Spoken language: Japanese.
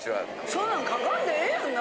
そんなん書かんでええやんな。